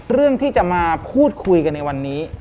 เรื่องที่จะมาพูดคุยกันในวันนี้